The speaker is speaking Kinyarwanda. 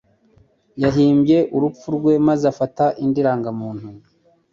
Yahimbye urupfu rwe maze afata indi ndangamuntu